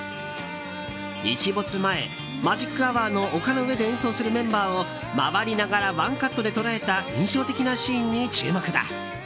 日没前、マジックアワーの丘の上で演奏するメンバーを回りながらワンカットで捉えた印象的なシーンに注目だ。